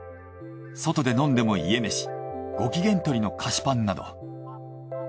外で飲んでも家メシご機嫌とりの菓子パン」など。